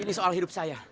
ini soal hidup saya